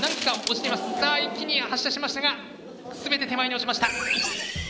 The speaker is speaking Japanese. さあ一気に発射しましたが全て手前に落ちました。